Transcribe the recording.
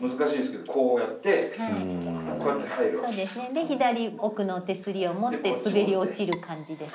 で左奥の手すりを持って滑り落ちる感じです。